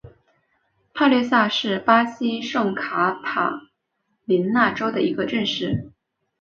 帕略萨是巴西圣卡塔琳娜州的一个市镇。